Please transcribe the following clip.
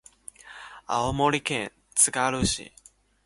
青森県つがる市